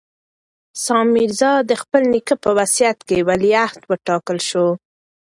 سام میرزا د خپل نیکه په وصیت ولیعهد وټاکل شو.